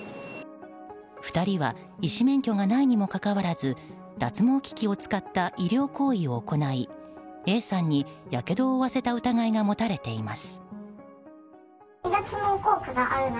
２人は医師免許がないにもかかわらず脱毛機器を使った医療行為を行いＡさんにやけどを負わせた疑いが持たれています。